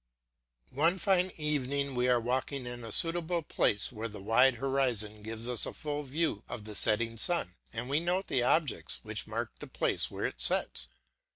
One fine evening we are walking in a suitable place where the wide horizon gives us a full view of the setting sun, and we note the objects which mark the place where it sets.